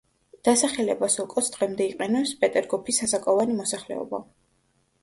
დასახელება სოკოს დღემდე იყენებს პეტერგოფის ასაკოვანი მოსახლეობა.